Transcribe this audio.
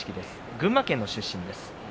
群馬県の出身です。